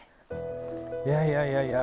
いやいやいやいや